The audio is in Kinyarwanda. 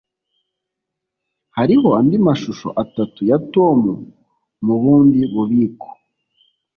Hariho andi mashusho atatu ya Tom mubundi bubiko.